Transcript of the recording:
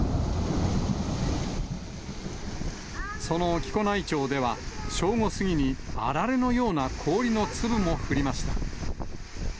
その木古内町では正午過ぎに、あられのような氷の粒も降りました。